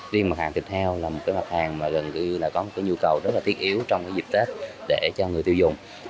riêng mặt hàng thịt heo là một mặt hàng có nhu cầu rất tiết yếu trong dịp tết để cho người tiêu dùng